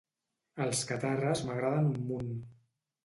Els Catarres m'agraden un munt.